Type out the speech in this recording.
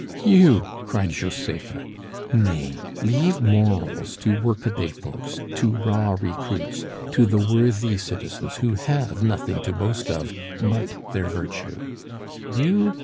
"You!" cried Josepha. "Nay, leave morals to work a day folks, to raw recruits, to the worrrthy citizens who have nothing to boast of but their virtue. You!